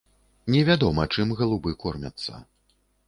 Невядома, чым галубы кормяцца.